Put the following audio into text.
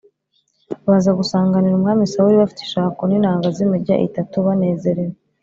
baza gusanganira Umwami Sawuli bafite ishako n’inanga z’imirya itatu, banezerewe.